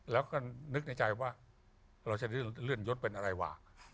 แล้วก็นึกในใจว่าเราจะเลื่อนยศเป็นอะไรวะ